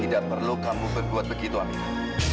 tidak perlu kamu berbuat begitu anehnya